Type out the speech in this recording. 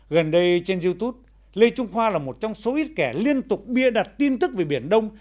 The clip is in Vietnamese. gần đây trên youtube lê trung khoa là một trong số ít kẻ liên tục bia đặt tin tức về biển đông